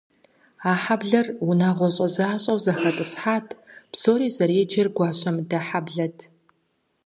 А хьэблэр унагъуэщӏэ защӏэу зэхэтӏысхьат, псори зэреджэр гуащэмыдэ хьэблэт.